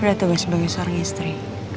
ada tugas sebagai seorang istri